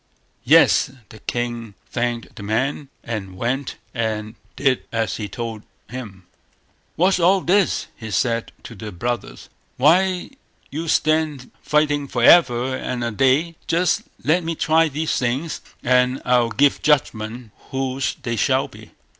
Yes! the king thanked the man, and went and did as he told him. "What's all this?" he said to the brothers. "Why do you stand here fighting for ever and a day? Just let me try these things, and I'll give judgment whose they shall be."